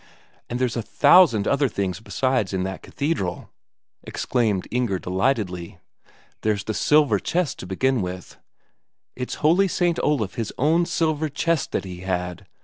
"And there's a thousand other things besides in that cathedral," exclaimed Inger delightedly. "There's the silver chest to begin with. It's Holy St. Olaf his own silver chest that he had.